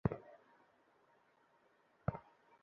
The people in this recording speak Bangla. জানো প্রতিহিংসা কাকে বলে?